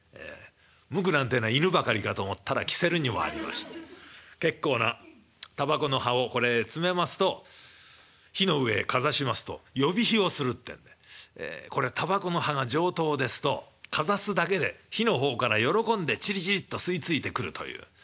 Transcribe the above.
無垢なんてえのは犬ばかりかと思ったら煙管にもありまして結構なタバコの葉をこれへ詰めますと火の上へかざしますと呼び火をするってんでこれタバコの葉が上等ですとかざすだけで火の方から喜んでチリチリッと吸い付いてくるという。